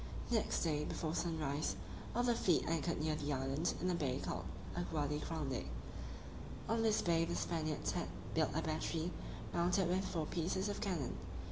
Next day, before sunrise, all the fleet anchored near the island, in a bay called Aguade Grande. On this bay the Spaniards had built a battery, mounted with four pieces of cannon.